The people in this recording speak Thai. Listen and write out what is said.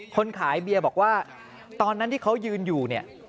คนขายเบียร์บอกว่าตอนนั้นที่เขายืนอยู่เนี่ย